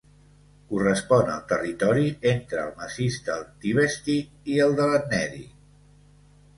Correspon al territori entre el massís del Tibesti i el de l'Ennedi.